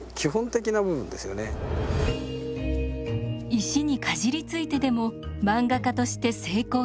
石にかじりついてでも漫画家として成功してみせる。